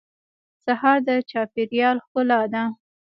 سهار د چاپېریال ښکلا ده.